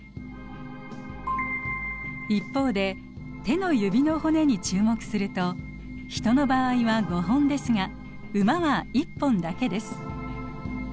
一方で手の指の骨に注目するとヒトの場合は５本ですがウマは１本だけです。